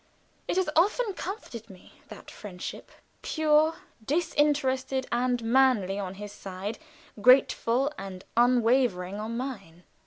It has often comforted me, that friendship pure, disinterested and manly on his side, grateful and unwavering on mine.